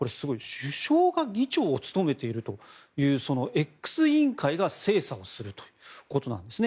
首相が議長を務めているＸ委員会が精査をするということなんですね。